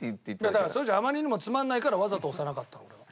だからそれじゃあまりにもつまらないからわざと押さなかったの俺は。